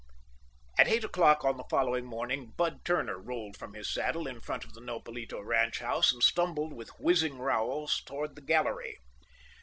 At eight o'clock on the following morning Bud Turner rolled from his saddle in front of the Nopalito ranch house, and stumbled with whizzing rowels toward the gallery.